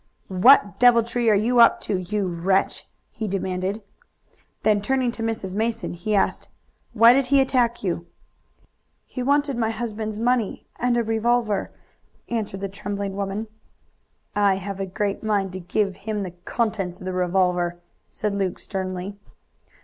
"What deviltry are you up to, you wretch?" he demanded. Then turning to Mrs. Mason he asked, "Why did he attack you?" "He wanted my husband's money and a revolver," answered the trembling woman. "I have a great mind to give him the contents of the revolver!" said Luke sternly.